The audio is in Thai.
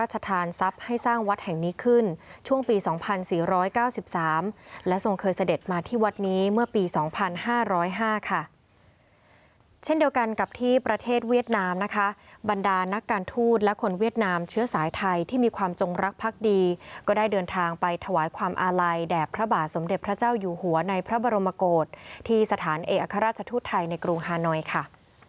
เช่นเดียวกันกับที่ประเทศเวียดนามนะคะบรรดานักการทูตและคนเวียดนามเชื้อสายไทยที่มีความจงรักพักดีก็ได้เดินทางไปถวายความอาลัยแด่พระบาทสมเด็จพระเจ้าอยู่หัวในพระบรมกฏที่สถานเอกอัครราชทูตไทยในกรุงฮานอยค่ะ